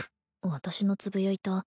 私のつぶやいたー